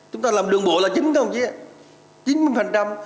chúng ta làm đường bộ là chính không chị ạ chín mươi